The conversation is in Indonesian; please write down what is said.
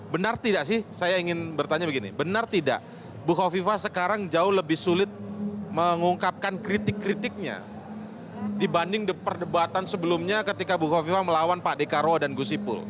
benar tidak sih saya ingin bertanya begini benar tidak bu kofifa sekarang jauh lebih sulit mengungkapkan kritik kritiknya dibanding perdebatan sebelumnya ketika bu khofifah melawan pak dekarwo dan gus ipul